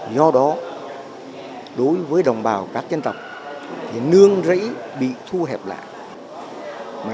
do đó đối với đồng bào các dân tộc thì nương rẫy bị thu hẹp lại